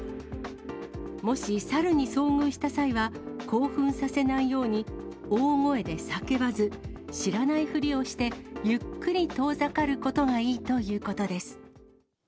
もし、サルに遭遇した際は、興奮させないように、大声で叫ばず、知らないふりをして、ゆっくり遠ざかることがいいということです。